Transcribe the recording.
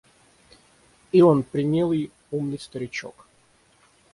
И он премилый, умный старичок.